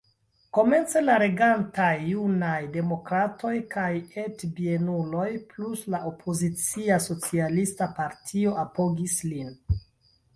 Komence la regantaj Junaj Demokratoj kaj Etbienuloj plus la opozicia Socialista Partio apogis lin.